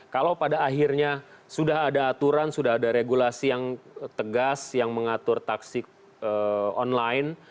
kalau pada akhirnya sudah ada aturan sudah ada regulasi yang tegas yang mengatur taksi online